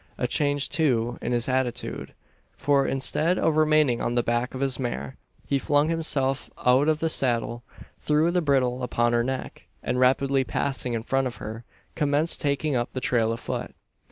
A change, too, in his attitude; for instead of remaining on the back of his mare, he flung himself out of the saddle; threw the bridle upon her neck; and, rapidly passing in front of her, commenced taking up the trail afoot.